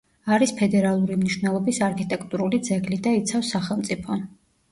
არის ფედერალური მნიშვნელობის არქიტექტურული ძეგლი და იცავს სახელმწიფო.